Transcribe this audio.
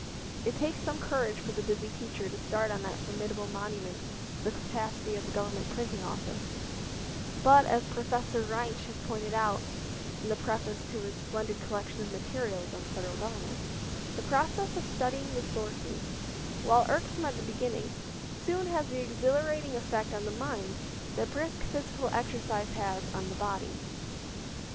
It takes some courage for the busy teacher to start on that formidable monument to the capacity of the Government Printing Office, but, as Professor Reinsch has pointed out in the preface to his splendid collection of materials on the Federal Government, the process of studying the sources while irksome at the beginning soon has the exhilarating effect on the mind that brisk physical exercise has on the body.